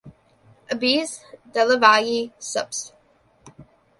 Abies delavayi subsp.